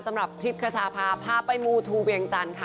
สำหรับทริปคชาพาพาไปมูทูเวียงจันทร์ค่ะ